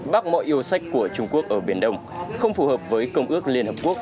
bác mọi yêu sách của trung quốc ở biển đông không phù hợp với công ước liên hợp quốc